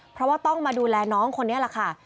เพราะว่าต้องมาดูแลน้องคนนี้แหละค่ะ